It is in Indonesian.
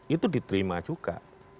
itu diterima juga